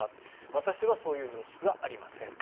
私はそういう認識はありません。